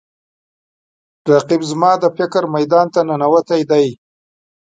رقیب زما د فکر میدان ته ننوتی دی